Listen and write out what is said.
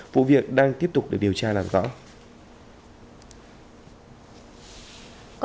vụ việc đang tiếp tục được điều tra làm rõ